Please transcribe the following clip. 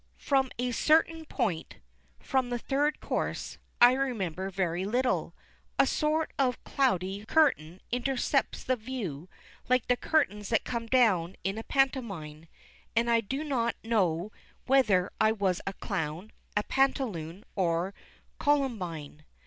From a certain point, from the third course, I remember very little; a sort of cloudy curtain intercepts the view like the curtains that come down in a pantomime, and I don't know whether I was Clown, or Pantaloon, or Columbine.